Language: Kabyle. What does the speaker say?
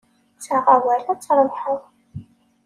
Ttaɣ awal, ad trebḥeḍ.